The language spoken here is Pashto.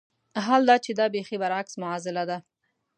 حال دا چې دا بېخي برعکس معاضله ده.